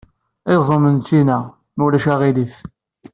Iẓem n ččina, ma ulac aɣilif.